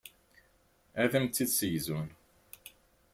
Ad am-tt-id-ssegzun.